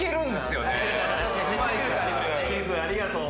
シェフありがとう。